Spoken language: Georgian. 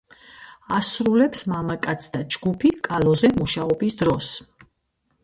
ასრულებს მამაკაცთა ჯგუფი კალოზე მუშაობის დროს.